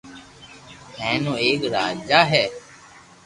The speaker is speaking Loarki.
ھي او ايڪ راجا ھي